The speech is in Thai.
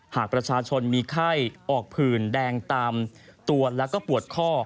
หากประชาชนมีไข้ออกผื่นแดงตามตัวแล้วก็ปวดข้อ